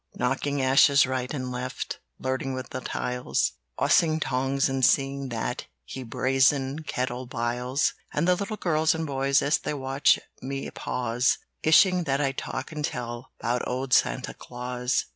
"Knocking ashes right and left, Flirting with the tiles; Bossing tongs and seeing that The brazen kettle biles. "And the little girls and boys As they watch me pause, Wishing that I'd talk and tell 'Bout old Santa Claus!